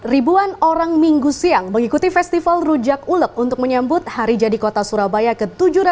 ribuan orang minggu siang mengikuti festival rujak ulek untuk menyambut hari jadi kota surabaya ke tujuh ratus enam puluh